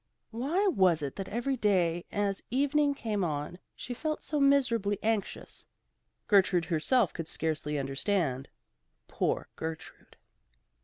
Why it was that every day as evening came on, she felt so miserably anxious, Gertrude herself could scarcely understand. Poor Gertrude!